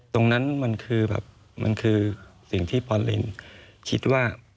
ตรงนั้นมันคือแบบมันคือสิ่งที่พอเลนคิดว่า